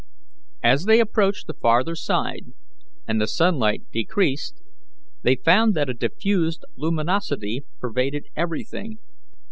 As they approached the farther side and the sunlight decreased, they found that a diffused luminosity pervaded everything.